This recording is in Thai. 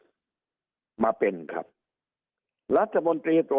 สุดท้ายก็ต้านไม่อยู่